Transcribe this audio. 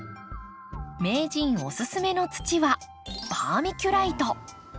名人おすすめの土はバーミキュライト。